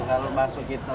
kalau masuk gitu